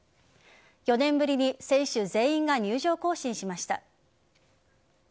４年ぶりに選手全員が入場行進しました。